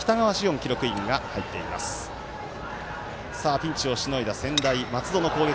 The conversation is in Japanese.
ピンチをしのいだ専大松戸の攻撃。